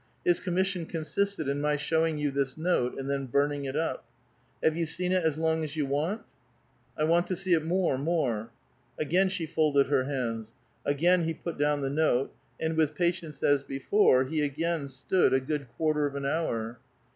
His commission consisted in my showing you this note and then burning it up. Have you seen it as long as you want ?"*' 1 want to see it more, more !" Again she folded her hands ; again he put down the note, and with patience as before be again stood a good quarter of an hour.